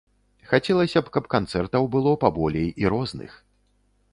Хацелася б, каб канцэртаў было паболей і розных.